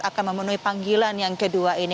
akan memenuhi panggilan yang kedua ini